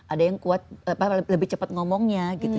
ada yang kuat lebih cepat ngomongnya gitu